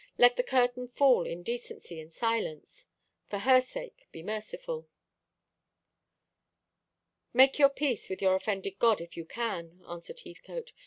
Let the curtain fall in decency and silence. For her sake be merciful." "Make your peace with your offended God, if you can," answered Heathcote.